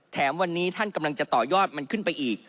แถมวันนี้ท่านกำลังจะต่อยอดมันขึ้นไปอีก